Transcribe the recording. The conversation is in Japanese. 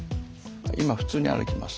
今普通に歩きます。